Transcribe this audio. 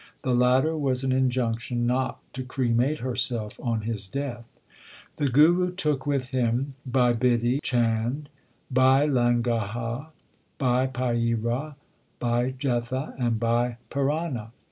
The latter was an injunction not to cremate herself on his death. The Guru took with him Bhai Bidhi Chand, Bhai Langaha, Bhai Paira, Bhai Jetha, and Bhai Pirana.